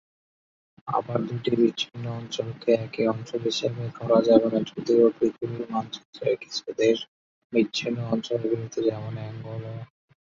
আবার, দুইটি বিচ্ছিন্ন অঞ্চলকে একই অঞ্চল হিসাবে ধরা যাবে না, যদিও পৃথিবীর মানচিত্রে কিছু দেশ বিচ্ছিন্ন অঞ্চলে বিভক্ত, যেমন অ্যাঙ্গোলা।